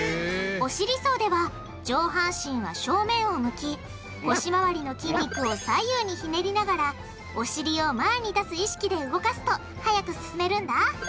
お尻走では上半身は正面を向き腰回りの筋肉を左右にひねりながらお尻を前に出す意識で動かすと速く進めるんだ。